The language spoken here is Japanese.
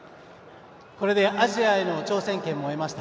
これでアジアへの挑戦権も得ました。